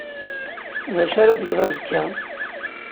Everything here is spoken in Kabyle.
D acu ara tgeḍ azekka?